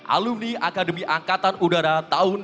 alumni akademi angkatan udara tahun dua ribu